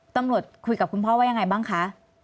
ตำรวจคุยกับคุณพ่อว่ายังไงบ้างคะ